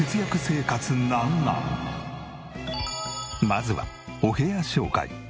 まずはお部屋紹介。